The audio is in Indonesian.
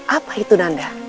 apa itu nanda